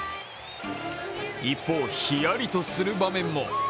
一方、ヒヤリとする場面。